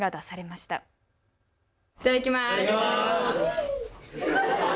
いただきます。